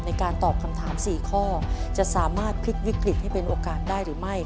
ในการตอบคำถาม๔ข้อจะสามารถพลิกวิกฤตให้เป็นโอกาสได้หรือไม่